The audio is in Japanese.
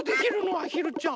あひるちゃん。